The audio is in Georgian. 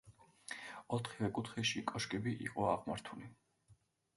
ოთხივე კუთხეში კოშკები იყო აღმართული.